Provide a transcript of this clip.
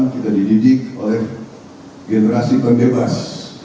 kita dididik oleh generasi pembebas